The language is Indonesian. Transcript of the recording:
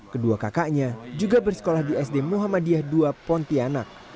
kedua kakaknya juga bersekolah di sd muhammadiyah ii pontianak